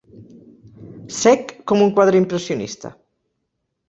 Sec com un quadre impressionista.